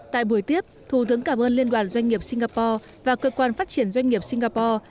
tại buổi tiếp thủ tướng cảm ơn liên đoàn doanh nghiệp singapore và cơ quan phát triển doanh nghiệp singapore